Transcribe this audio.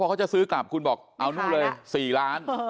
เขาจะซื้อกลับคุณบอกเอานู่นเลย๔ล้าน